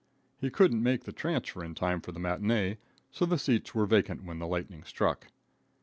He couldn't make the transfer in time for the matinee, so the seats were vacant when the lightning struck.